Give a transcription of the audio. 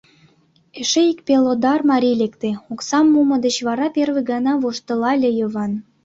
— Эше ик пелодар марий лекте, — оксам мумо деч вара первый гана воштылале Йыван.